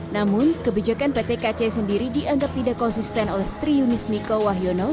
namun kebijakan pt kc sendiri dianggap tidak konsisten oleh triunis miko wahyono